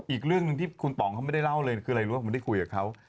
อีกเรื่องหนึ่งที่คุณป๋องเขาไม่ได้เล่าเลยคืออะไรรู้ว่าผมได้คุยกับเขา